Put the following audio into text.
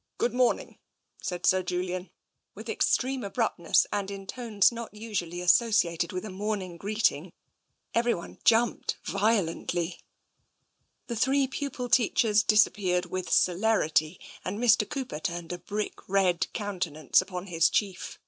" Good morning, said Sir Julian, with extreme abruptness, and in tones not usually associated with a morning greeting. Everyone jumped violently. The three pupil teachers disappeared with celerity, and Mr. Cooper turned a brick red countenance upon his chief.